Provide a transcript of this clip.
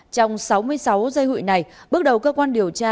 trong sáu mươi sáu giây hội này bước đầu cơ quan điều tra